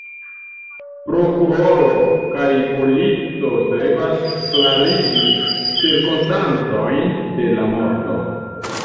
Prokuroro kaj polico strebas klarigi cirkonstancojn de la morto.